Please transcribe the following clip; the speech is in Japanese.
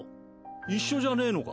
一緒じゃねえのか？